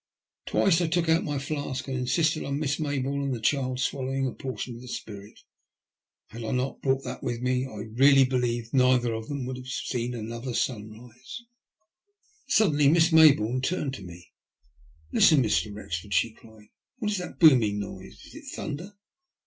Twice I took out my flask and insisted on Miss Mayboume and the child swallowing a portion of the spirit. Had I not brought that with me, I really believe neither of them would have seen another sunrise. THE SALVAGES. 155 Saddenly Miss Mayboume tamed to me. " Listen, Mr. Wrexford," she cried. " 'What is that booming noise ? Is it thunder